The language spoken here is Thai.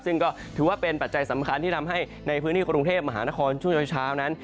ซึ่งก็ถือว่าเป็นปัจจัยสำคัญที่ทำให้ในพื้นที่กรุงเทพมหานครช่วงเช้านั้น